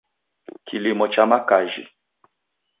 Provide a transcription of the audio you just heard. Kilimo cha makajhi